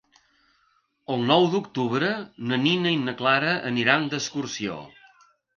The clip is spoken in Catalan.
El nou d'octubre na Nina i na Clara aniran d'excursió.